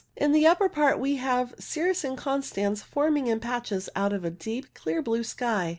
In the upper part we have cirrus inconstans forming in patches out of a deep clear blue sky.